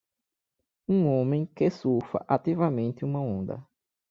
Um homem que surfa ativamente uma onda.